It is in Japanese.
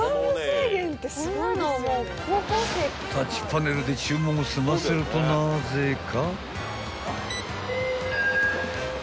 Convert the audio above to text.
［タッチパネルで注文を済ませるとなぜか］